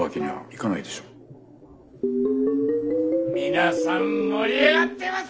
皆さん盛り上がってますか！